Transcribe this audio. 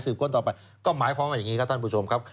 คนต่อไปก็หมายความว่าอย่างนี้ครับท่านผู้ชมครับ